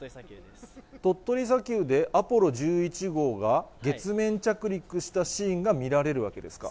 鳥取砂丘でアポロ１１号が月面着陸したシーンが見られるわけですか。